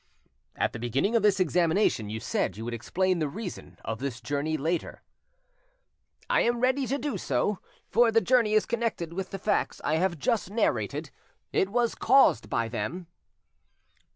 "At the beginning of this examination you said you would explain the reason of this journey later." "I am ready to do so, for the journey is connected with the facts I have just narrated; it was caused by them."